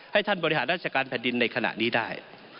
ให้ท่านบริหารราชการแผ่นดินในขณะนี้ได้